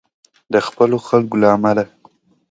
د خپلو خلکو له امله.